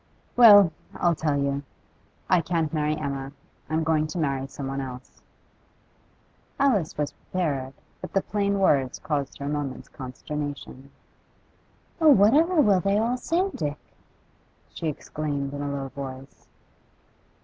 'Well, I'll tell you. I can't marry Emma; I'm going to marry someone else.' Alice was prepared, but the plain words caused her a moment's consternation. 'Oh, what ever will they all say, Dick?' she exclaimed in a low voice.